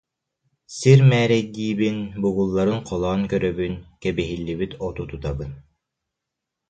Сир мээрэйдиибин, бугулларын холоон көрөбүн, кэбиһиллибит оту тутабын